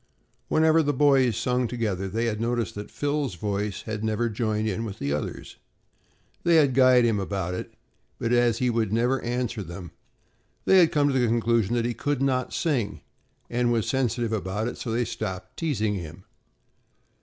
Whenever the boys had sung together, they had noticed that Phil's voice had never joined in with the others. They had guyed him about it but as he would never answer them, they had come to the conclusion that he could not sing and was sensitive about it, so they had stopped teasing him.